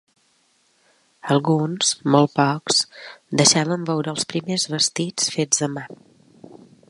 Alguns, molt pocs, deixaven veure els primers vestits fets a mà.